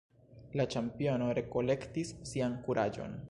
La ĉampiono rekolektis sian kuraĝon.